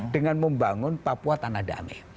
dengan membangun papua tanah damai